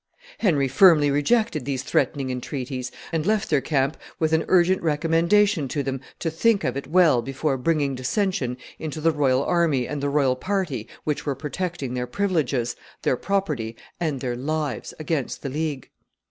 Henry firmly rejected these threatening entreaties, and left their camp with an urgent recommendation, to them to think of it well before bringing dissension into the royal army and the royal party which were protecting their privileges, their property, and their lives against the League.